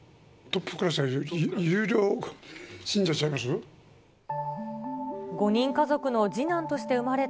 トップクラス、優良信者ちゃいます？